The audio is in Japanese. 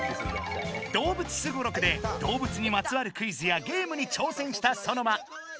「動物すごろく」で動物にまつわるクイズやゲームに挑戦したソノマ。